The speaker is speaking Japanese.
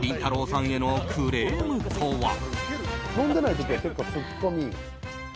さんへのクレームとは。